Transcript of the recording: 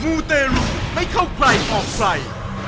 มูเตรุให้เข้าใกล้ออกไฟ